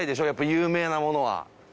有名なものは。